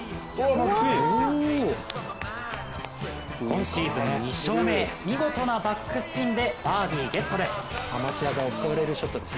今シーズン２勝目へ見事なバックスピンでバーディーゲットです。